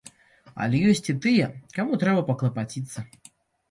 Але ёсць і тыя, каму трэба паклапаціцца.